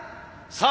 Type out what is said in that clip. さあ